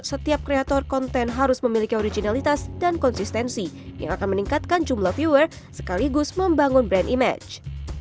setiap kreator konten harus memiliki originalitas dan konsistensi yang akan meningkatkan jumlah viewer sekaligus membangun brand image